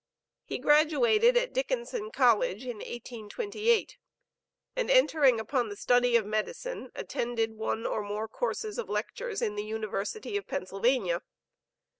He graduated at Dickinson College in 1828; and entering upon the study of medicine, attended one or more courses of lectures in the University of Pennsylvania.